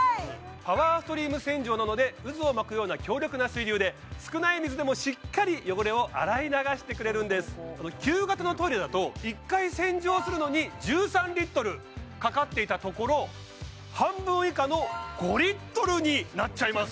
パワーストリーム洗浄なので渦を巻くような強力な水流で旧型のトイレだと１回洗浄するのに１３リットルかかっていたところ半分以下の５リットルになっちゃいます